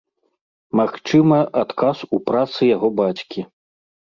Магчыма, адказ у працы яго бацькі.